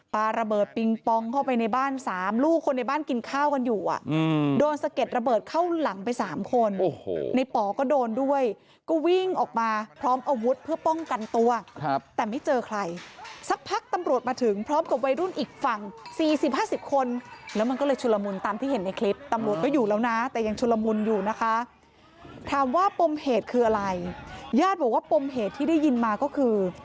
ป๋อระเบิดปิงปองเข้าไปในบ้านสามลูกคนในบ้านกินข้าวกันอยู่อ่ะอืมโดนสะเก็ดระเบิดเข้าหลังไปสามคนโอ้โหในป๋อก็โดนด้วยก็วิ่งออกมาพร้อมอาวุธเพื่อป้องกันตัวครับแต่ไม่เจอใครสักพักตำรวจมาถึงพร้อมกับวัยรุ่นอีกฝั่งสี่สิบห้าสิบคนแล้วมันก็เลยชุระมุนตามที่เห็นในคลิปตำรวจก